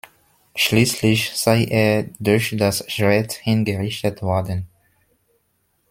Schließlich sei er durch das Schwert hingerichtet worden.